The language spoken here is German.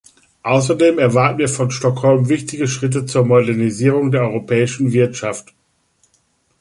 Außerdem erwarten wir von Stockholm wichtige Schritte zur Modernisierung der europäischen Wirtschaft.